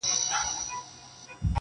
نه بارونه وړي نه بل څه ته په کار دی.!